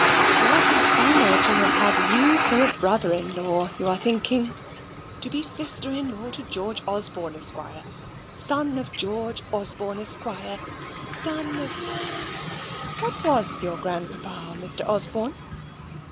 "What an honour to have had you for a brother in law, you are thinking? To be sister in law to George Osborne, Esquire, son of John Osborne, Esquire, son of what was your grandpapa, Mr. Osborne?